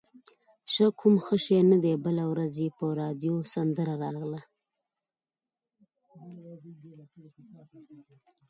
شک هم ښه شی نه دی، بله ورځ یې په راډیو سندره راغله.